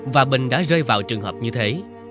và bình đã rơi vào trường hợp như thế